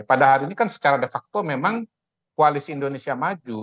pada hari ini kan secara de facto memang koalisi indonesia maju